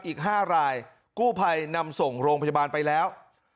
อีก๕รายกู้ภัยนำส่งโรงพยาบาลไปแล้ว